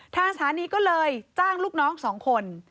ทางสถานีก็เลยจ้างลูกน้อง๒คน